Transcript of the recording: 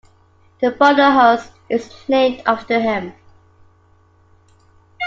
The Brucknerhaus is named after him.